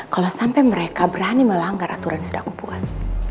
kalau sampai mereka berani melanggar aturan yang sudah aku buat